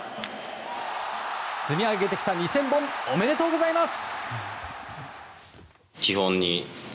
積み上げてきた２０００本おめでとうございます！